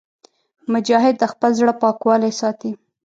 مجاهد د خپل زړه پاکوالی ساتي.